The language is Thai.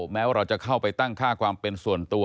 แม้ว่าเราจะเข้าไปตั้งค่าความเป็นส่วนตัว